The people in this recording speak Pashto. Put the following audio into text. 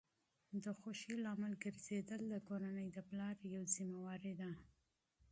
د خوښۍ لامل ګرځیدل د کورنۍ د پلار یوه مسؤلیت ده.